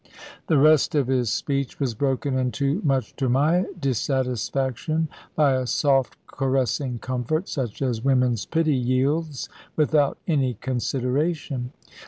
The rest of his speech was broken into, much to my dissatisfaction, by a soft caressing comfort, such as women's pity yields without any consideration.